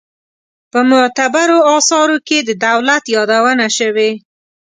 په معتبرو آثارو کې د دولت یادونه شوې.